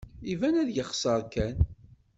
Iban ad yexser kan.